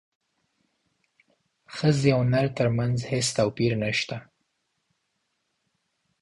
ښځې او نر ترمنځ هیڅ توپیر نشته